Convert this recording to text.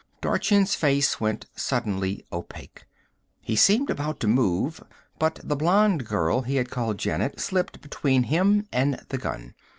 Dorchin's face went suddenly opaque. He seemed about to move; but the blonde girl he had called Janet slipped between him and the gun.